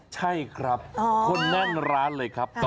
ใช่ครับคนแน่นร้านเลยครับ